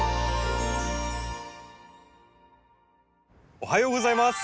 おはようございます。